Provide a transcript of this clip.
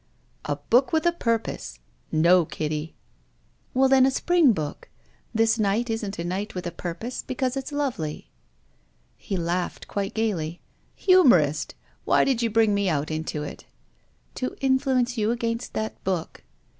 " A book with a purpose ! No, Kitty." 152 TONGUES OF CONSCIENCE. " Well then, a spring book. This night isn't a night with a purpose, because it's lovely." He laughed quite gaily. " Humorist ! Why did you bring me out into it?" "To influence you against that book."